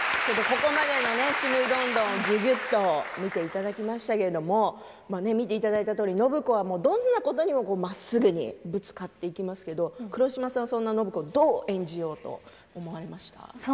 ここまでの「ちむどんどん」をぎゅぎゅっと見ていただきましたけれども見ていただいたとおり暢子はどんなことにもまっすぐにぶつかっていきますけれども黒島さんはそんな暢子をどう演じようと思われましたか。